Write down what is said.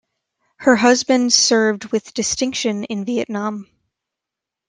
Her husband served with distinction in Vietnam.